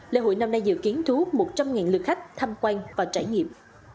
lễ hội năm nay dự kiến thú một trăm linh lượt khách thăm quan và trải nghiệm